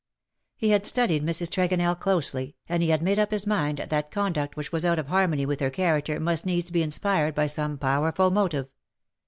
He had studied Mrs. Tregonell closely, and he had made up his mind that conduct which was out of harmony with her character must needs be inspired by some powerful motive.